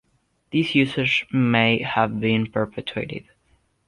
This usage may have been perpetuated.